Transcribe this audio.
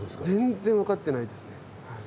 全然分かってないですね。